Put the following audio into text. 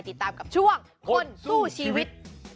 ติดตามกับช่วงคนสู้ชีวิต